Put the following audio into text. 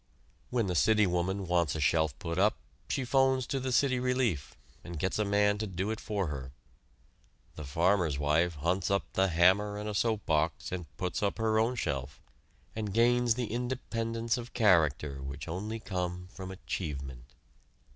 When the city woman wants a shelf put up she 'phones to the City Relief, and gets a man to do it for her; the farmer's wife hunts up the hammer and a soap box and puts up her own shelf, and gains the independence of character which only come from achievement.